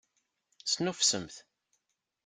Snuffsemt!